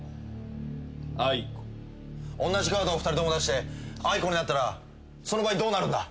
おんなじカードを２人とも出してあいこになったらその場合どうなるんだ？